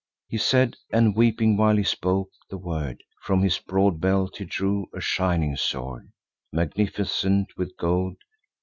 He said, and weeping, while he spoke the word, From his broad belt he drew a shining sword, Magnificent with gold.